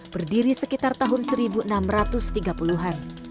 berdiri sekitar tahun seribu enam ratus tiga puluh an